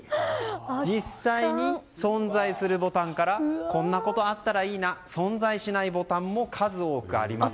実際に存在するボタンからこんなことあったらいいなという存在しないボタンも数多くあります。